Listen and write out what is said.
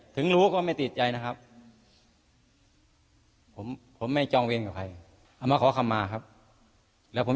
ทุกภาคส่วน